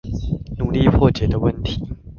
努力破解的問題